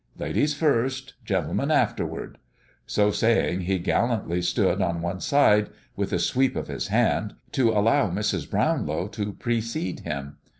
Ladies first, gentlemen afterward!" So saying, he gallantly stood on one side, with a sweep of his hand, to allow Mrs. Brownlow to precede him.